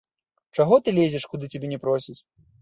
Чаго ты лезеш, куды цябе не просяць!